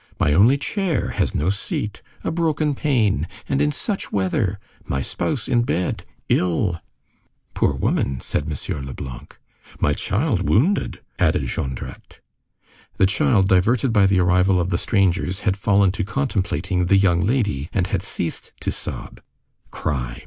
My only chair has no seat! A broken pane! And in such weather! My spouse in bed! Ill!" "Poor woman!" said M. Leblanc. "My child wounded!" added Jondrette. The child, diverted by the arrival of the strangers, had fallen to contemplating "the young lady," and had ceased to sob. "Cry!